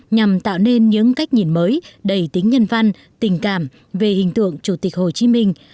nhằm tạo nên những cách nhìn mới đầy tính nhân văn tình cảm về hình tượng chủ tịch hồ chí minh